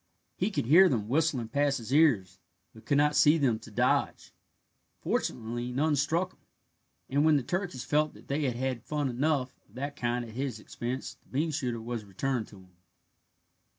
He could hear them whistling past his ears, but could not see them to dodge. Fortunately none struck him, and when the turkeys felt that they had had fun enough of that kind at his expense the bean shooter was returned to him.